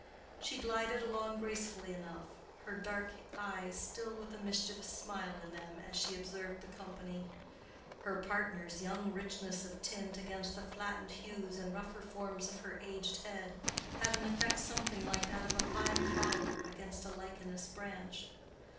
She glided along gracefully enough, her dark eyes still with a mischievous smile in them as she observed the company. Her partner's young richness of tint against the flattened hues and rougher forms of her aged head had an effect something like that of a fine flower against a lichenous branch.